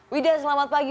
wida selamat pagi